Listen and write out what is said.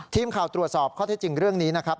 ทีมข่าวตรวจสอบข้อเท็จจริงเรื่องนี้นะครับ